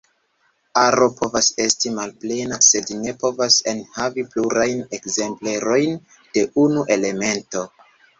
Aro povas esti malplena, sed ne povas enhavi plurajn ekzemplerojn de unu elemento.